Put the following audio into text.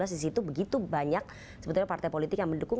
di situ begitu banyak sebetulnya partai politik yang mendukung